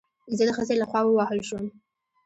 زه د خځې له خوا ووهل شوم